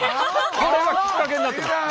これがきっかけになってます。